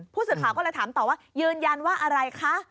ผู้สื่อข่าวก็เลยถามต่อว่ายืนยันว่าอะไรคะ